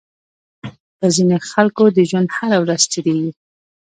په ځينې خلکو د ژوند هره ورځ تېرېږي.